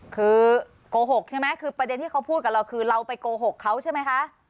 คือโกหกใช่ไหมคือประเด็นที่เขาพูดกับเราคือเราไปโกหกเขาใช่ไหมคะ